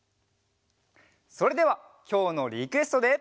それではきょうのリクエストで。